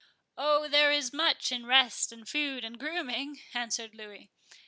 "Oh, there is much in rest, and food, and grooming," answered Louis.